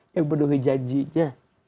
yang memenuhi janjinya